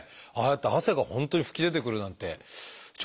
ああやって汗が本当に噴き出てくるなんてええ